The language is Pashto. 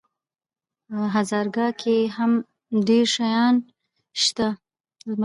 په هزاره ګانو کي هم ډير سُنيان شته